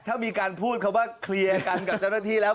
ถ้ามีการพูดคำว่าเคลียร์กันกับเจ้าหน้าที่แล้ว